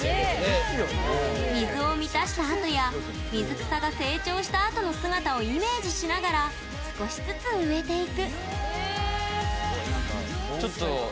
水を満たしたあとや水草が成長したあとの姿をイメージしながら少しずつ植えていく。